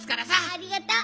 ありがとう。